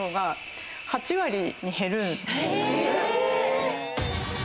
８割に減る。